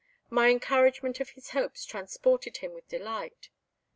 My encouragement of his hopes transported him with delight.